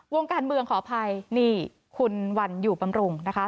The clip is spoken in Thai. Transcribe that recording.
วงการเมืองขออภัยนี่คุณวันอยู่บำรุงนะคะ